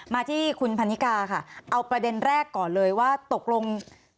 มาที่คุณพันนิกาค่ะเอาประเด็นแรกก่อนเลยว่าตกลง